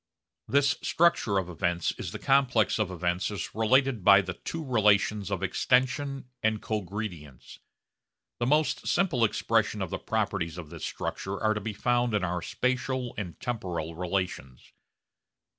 This structure of events is the complex of events as related by the two relations of extension and cogredience. The most simple expression of the properties of this structure are to be found in our spatial and temporal relations.